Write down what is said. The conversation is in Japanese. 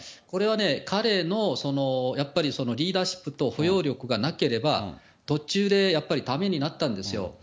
これはね、彼のやっぱりリーダーシップと包容力がなければ、途中でやっぱりだめになったんですよ。